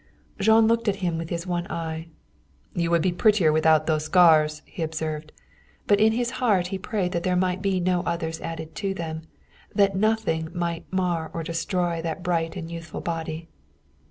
Jean looked at him with his one eye. "You would be prettier without those scars," he observed. But in his heart he prayed that there might be no others added to them, that nothing might mar or destroy that bright and youthful body.